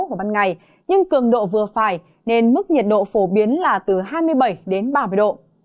vào ban ngày nhưng cường độ vừa phải nên mức nhiệt độ phổ biến là từ hai mươi bảy đến ba mươi độ